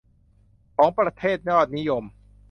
ของประเทศยอดนิยม